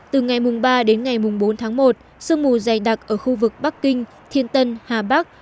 từ ngày mùng ba đến ngày bốn tháng một sương mù dày đặc ở khu vực bắc kinh thiên tân hà bắc